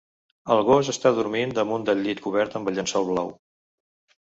El gos està dormint damunt del llit cobert amb el llençol blau.